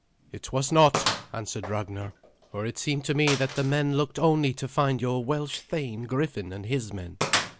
"It was not," answered Ragnar, "for it seemed to me that the men looked only to find your Welsh thane Griffin and his men.